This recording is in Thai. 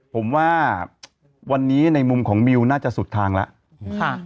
ผมว่าวันนี้ในมุมของบิวน่าจะสุดทางแล้ว